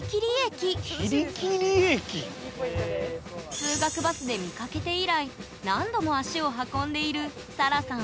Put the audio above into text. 通学バスで見かけて以来何度も足を運んでいるさらさん